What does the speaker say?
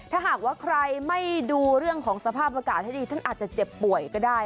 ถ้าหากว่าใครไม่ดูเรื่องของสภาพอากาศให้ดีท่านอาจจะเจ็บป่วยก็ได้